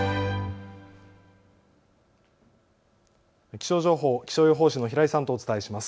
気象情報、気象予報士の平井さんとお伝えします。